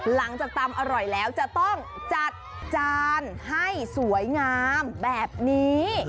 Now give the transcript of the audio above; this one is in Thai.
ตำอร่อยแล้วจะต้องจัดจานให้สวยงามแบบนี้